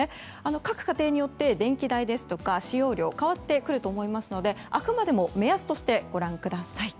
各家庭によって電気代ですとか、使用量は変わってくると思いますのであくまでも目安としてご覧ください。